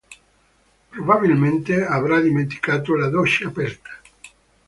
Probabilmente avrà dimenticato la doccia aperta.